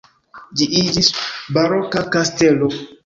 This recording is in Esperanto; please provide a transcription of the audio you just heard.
Ĝi iĝis baroka kastelo.